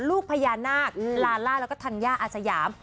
ลูกพญานาคลาล่าแล้วก็ธัญญาอาสยาม